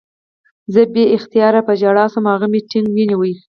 زه بې اختیاره په ژړا شوم او هغه مې ټینګ ونیو